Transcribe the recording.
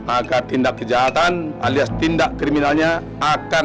agar tindak kejahatan alias tindak kriminalnya akan